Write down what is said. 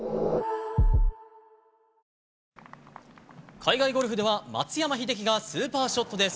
海外ゴルフでは松山英樹がスーパーショットです。